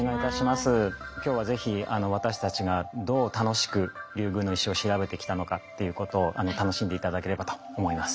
今日は是非私たちがどう楽しくリュウグウの石を調べてきたのかっていうことを楽しんで頂ければと思います。